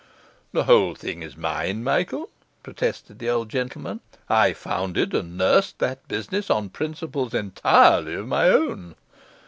'The whole thing is mine, Michael,' protested the old gentleman. 'I founded and nursed that business on principles entirely of my own.